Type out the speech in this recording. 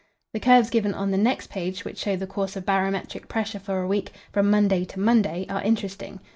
The curves given on the next page, which show the course of barometric pressure for a week, from Monday to Monday, are interesting.